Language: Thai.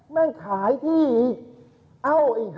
แม่งขายที่อีก